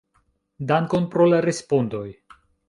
Dankon pro la respondoj!